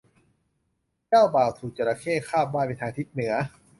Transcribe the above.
เจ้าบ่าวถูกจระเข้คาบว่ายไปทางทิศเหนือ